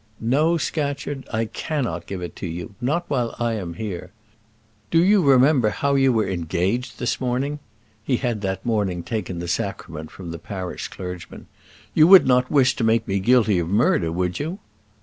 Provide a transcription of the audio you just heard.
"No, Scatcherd. I cannot give it to you; not while I am here. Do you remember how you were engaged this morning?" he had that morning taken the sacrament from the parish clergyman "you would not wish to make me guilty of murder, would you?"